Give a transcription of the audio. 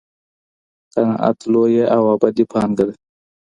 قناعت لویه او ابدي پانګه ده.